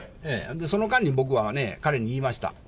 その間に僕は彼に言いました。